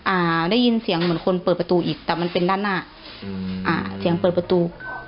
อ่าได้ยินเสียงเหมือนคนเปิดประตูอีกแต่มันเป็นด้านหน้าอืมอ่าเสียงเปิดประตู